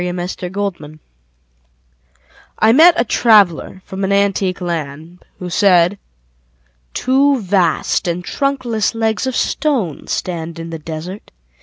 Y Z Ozymandias I MET a traveller from an antique land Who said: Two vast and trunkless legs of stone Stand in the desert